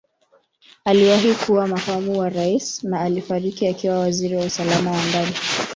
Aliwahi kuwa Makamu wa Rais na alifariki akiwa Waziri wa Usalama wa Ndani.